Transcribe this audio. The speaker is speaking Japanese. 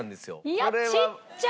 いやちっちゃ！